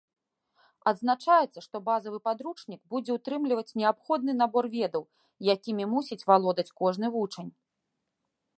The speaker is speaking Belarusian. Адзначаецца, што базавы падручнік будзе ўтрымліваць неабходны набор ведаў, якімі мусіць валодаць кожны вучань.